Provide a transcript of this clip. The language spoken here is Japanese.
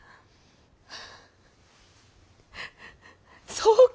そうか！